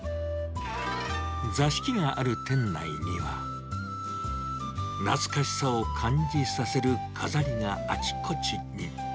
座敷がある店内には、懐かしさを感じさせる飾りがあちこちに。